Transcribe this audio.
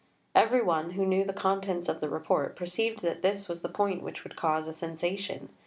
Every one who knew the contents of the Report perceived that this was the point which would cause a sensation.